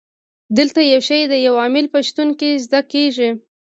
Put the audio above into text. دلته یو شی د یو عامل په شتون کې زده کیږي.